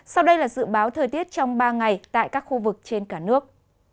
sau đây là dự báo thời tiết trong ba ngày tại các khu vực trên cả nước